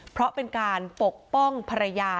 เพราะเป็นการปกป้องภรรยา